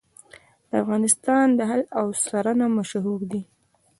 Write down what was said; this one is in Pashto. د افغانستان دهل او سرنا مشهور دي